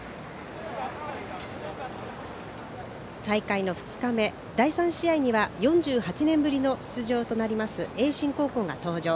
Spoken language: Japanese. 大会２日目第３試合には４８年ぶりの出場となります盈進高校が登場。